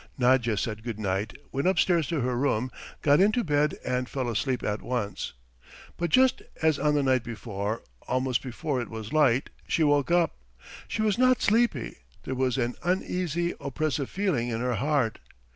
Nadya said good night, went upstairs to her room, got into bed and fell asleep at once. But just as on the night before, almost before it was light, she woke up. She was not sleepy, there was an uneasy, oppressive feeling in her heart.